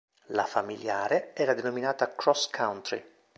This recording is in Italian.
La familiare era denominata "Cross Country".